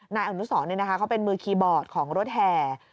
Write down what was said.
นายอนุสรเนี่ยนะคะเขาเป็นมือคีย์บอร์ดของรถแห่